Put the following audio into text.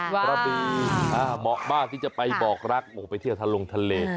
กระบีเหมาะมากที่จะไปบอกรักไปเที่ยวทะลงทะเล